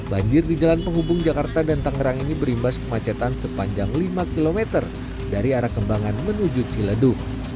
banjir di jalan penghubung jakarta dan tangerang ini berimbas kemacetan sepanjang lima km dari arah kembangan menuju ciledu